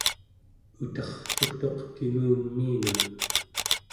utercugtuq kinguneminun